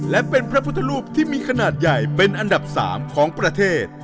และเป็นพระพุทธรูปที่มีขนาดใหญ่เป็นอันดับ๓ของประเทศ